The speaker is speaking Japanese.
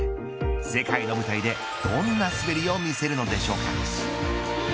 世界の舞台で、どんな滑りを見せるのでしょうか。